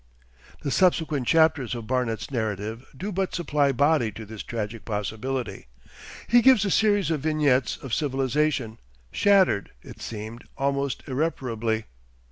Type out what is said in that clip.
The subsequent chapters of Barnet's narrative do but supply body to this tragic possibility. He gives a series of vignettes of civilisation, shattered, it seemed, almost irreparably.